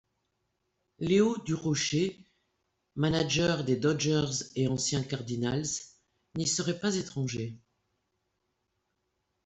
Leo Durocher, manager des Dodgers et ancien Cardinals, n'y serait pas étranger.